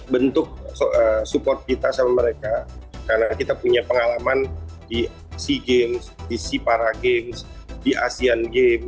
bentuk support kita sama mereka karena kita punya pengalaman di sea games di sea para games di asean games